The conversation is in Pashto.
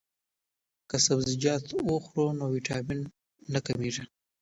که سبزیجات وخورو نو ویټامین نه کمیږي.